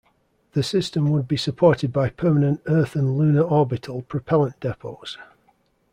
The system would be supported by permanent Earth and lunar orbital propellant depots.